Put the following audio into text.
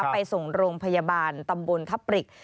ไปส่งโรงพยาบาลตำบลทับปริก